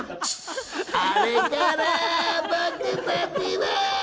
あれから僕たちは。